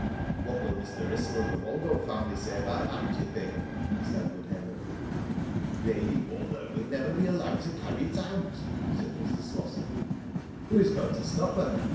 "What will Mr. Wrissell and the Woldo family say about that, do you think?" asked Edward Henry. "Lady Woldo will never be allowed to carry it out," said Mr. Slosson. "Who's going to stop her?